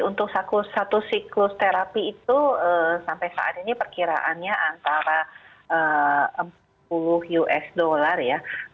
untuk satu siklus terapi itu sampai saat ini perkiraannya antara empat puluh usd ya